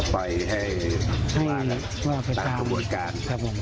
ไปให้ตามทุกบุญการ